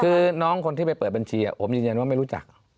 คือน้องคนที่ไปเปิดบัญชีผมยืนยันว่าไม่รู้จัก